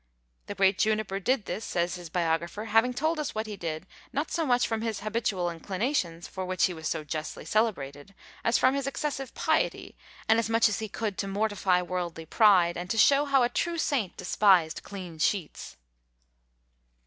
The great Juniper did this, says his biographer, having told us what he did, not so much from his habitual inclinations, for which he was so justly celebrated, as from his excessive piety, and as much as he could to mortify worldly pride, and to show how a true saint despised clean sheets.